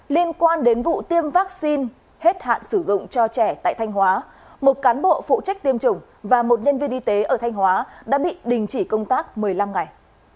liên quan đến vụ tiêm vaccine hết hạn sử dụng cho trẻ tại thanh hóa một cán bộ phụ trách tiêm chủng và một nhân viên y tế ở thanh hóa đã bị đình chỉ công tác một mươi năm ngày